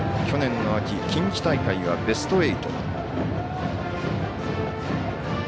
去年の秋、近畿大会はベスト８。